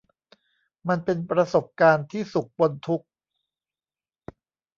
มันเป็นประสบการณ์ที่สุขปนทุกข์